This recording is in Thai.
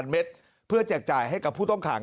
เม็ดเพื่อแจกจ่ายให้กับผู้ต้องขัง